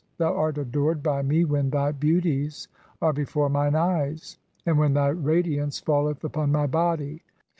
Thou art adored [by me when] thy "beauties are before mine eyes, and [when thy] (3) radiance "[falleth] upon [my] body.